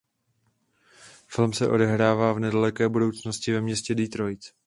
Film se odehrává v nedaleké budoucnosti ve městě Detroit.